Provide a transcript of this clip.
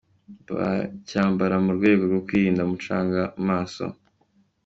Bacyambaraga mu rwego rwo kwirinda umucanga mu maso.